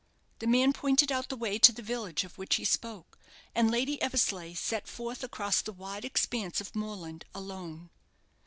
The man pointed out the way to the village of which he spoke; and Lady Eversleigh set forth across the wide expanse of moorland alone.